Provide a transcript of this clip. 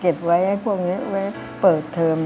เก็บไว้ให้พวกนี้ไว้เปิดเทิม